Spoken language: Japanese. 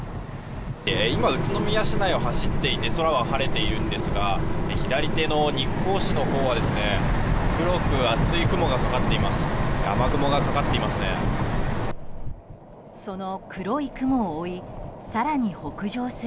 今、宇都宮市内を走っていて空は晴れているんですが左手の日光市のほうは黒く厚い雲がかかっています。